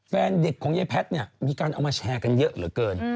แฟนเด็กของยายแพทย์เนี่ยมีการเอามาแชร์กันเยอะเหลือเกิน